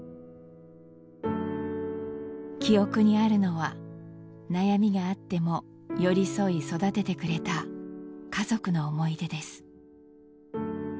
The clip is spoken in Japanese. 記憶にあるのは悩みがあっても寄り添い育ててくれた家族の思い出です。